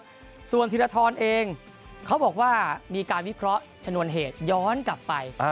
ที่ผ่านมานะครับส่วนธีรฐรเองเขาบอกว่ามีการวิเคราะห์ชนวนเหตุย้อนกลับไป